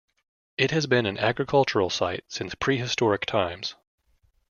It has been an agricultural site since prehistoric times.